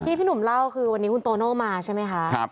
พี่หนุ่มเล่าคือวันนี้คุณโตโน่มาใช่ไหมคะ